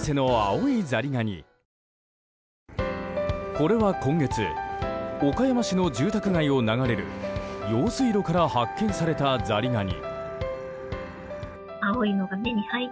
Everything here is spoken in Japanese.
これは今月岡山市の住宅街を流れる用水路から発見されたザリガニ。